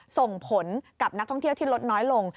ส่งผลกับนักท่องเที่ยวที่ลดน้อยลง